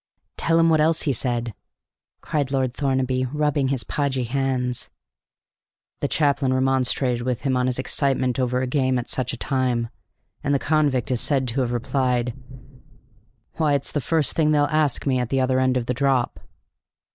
"Tell 'em what else he said!" cried Lord Thornaby, rubbing his podgy hands. "The chaplain remonstrated with him on his excitement over a game at such a time, and the convict is said to have replied: 'Why, it's the first thing they'll ask me at the other end of the drop!'"